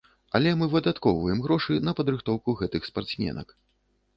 Але мы выдаткоўваем грошы на падрыхтоўку гэтых спартсменак.